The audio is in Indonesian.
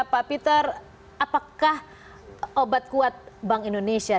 pak peter apakah obat kuat bank indonesia